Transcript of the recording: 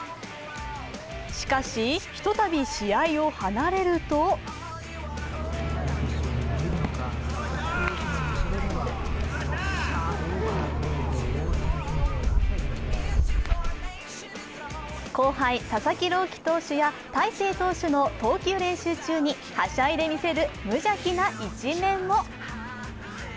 しかし、ひとたび試合を離れると後輩、佐々木朗希投手や大勢投手の投球練習中にはしゃいで見せる無邪気な一面も。